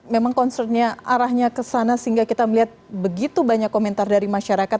memang concernnya arahnya ke sana sehingga kita melihat begitu banyak komentar dari masyarakat